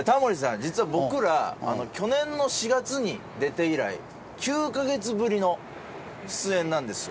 実は僕ら去年の４月に出て以来９カ月ぶりの出演なんですよ。